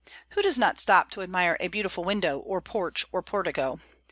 Who does not stop to admire a beautiful window, or porch, or portico?